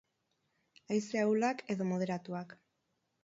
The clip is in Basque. Haize ahulak edo moderatuak.